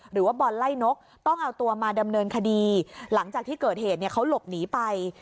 หรือว่าบอลไล่นกต้องเอาตัวมาดำเนินคดีหลังจากที่เกิดเหตุเนี่ยเขาหลบหนีไป